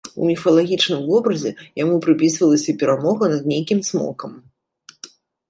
У міфалагічным вобразе яму прыпісвалася перамога над нейкім цмокам.